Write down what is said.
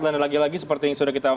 dan lagi lagi seperti yang sudah kita